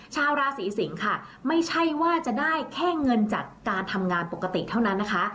ชาวราศีสิงค่ะไม่ใช่ว่าจะได้แค่เงินจากการทำงานปกติเท่านั้นนะคะ